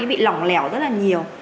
bị lỏng lẻo rất là nhiều